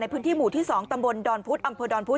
พื้นที่หมู่ที่๒ตำบลดอนพุธอำเภอดอนพุธ